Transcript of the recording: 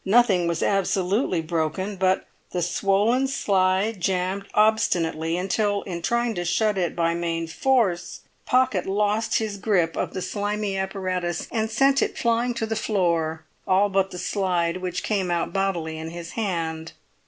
Nothing was absolutely broken; but the swollen slide jammed obstinately, until in trying to shut it by main force, Pocket lost his grip of the slimy apparatus, and sent it flying to the floor, all but the slide which came out bodily in his hand.